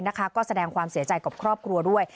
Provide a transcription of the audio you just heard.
ก็แสดงความเสียใจกับครอบครัวด้วย